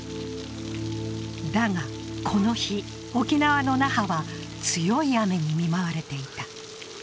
だがこの日、沖縄の那覇は強い雨に見舞われていた。